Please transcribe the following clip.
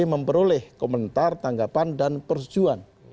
memperoleh komentar tanggapan dan persetujuan